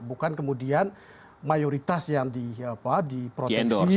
bukan kemudian mayoritas yang di proteksi